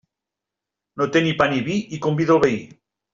No té pa ni vi, i convida el veí.